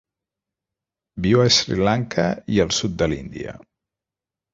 Viu a Sri Lanka i el sud de l'Índia.